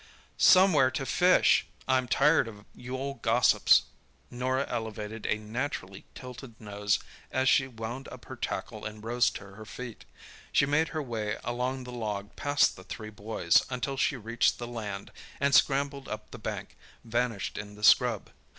"Somewhere to fish—I'm tired of you old gossips—" Norah elevated a naturally tilted nose as she wound up her tackle and rose to her feet. She made her way along the log past the three boys until she reached the land, and, scrambling up the bank, vanished in the scrub.